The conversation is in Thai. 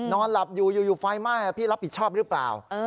นอนหลับอยู่อยู่ไฟไหม้พี่รับผิดชอบหรือเปล่า